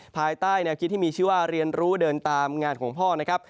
ภายใต้แนวคิดที่มีชื่อว่าเรียนรู้เดินตามงานของพ่อนะครับ